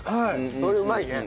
それうまいね。